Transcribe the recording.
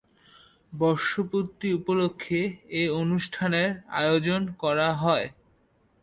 বর্ষপূর্তি উপলক্ষে এ অনুষ্ঠানের আয়োজন করা হয়।